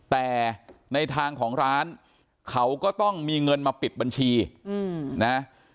แต่ในทางของร้านเขาก็ต้องมีเงินมาปิดบัญชีนะ